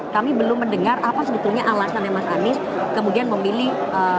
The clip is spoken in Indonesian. kami belum mendengar apa sebetulnya alasannya mas anies kemudian memilih